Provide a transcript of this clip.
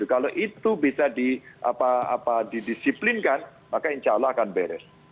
kalau itu bisa didisiplinkan maka insya allah akan beres